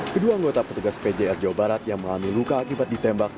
kedua anggota petugas pjr jawa barat yang mengalami luka akibat ditembak